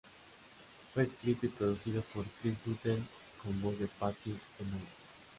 Fue escrito y producido por Chris Butler, con voz de Patty Donahue.